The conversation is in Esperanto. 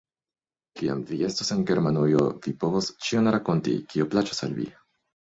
Kiam vi estos en Germanujo, vi povos ĉion rakonti, kio plaĉos al vi.